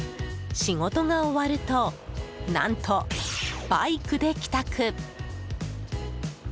仕事が終わると何とバイクで帰宅。